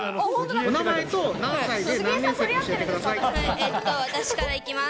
お名前と、私からいきます。